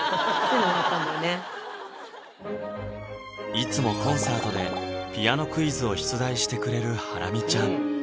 いつもコンサートでピアノクイズを出題してくれるハラミちゃん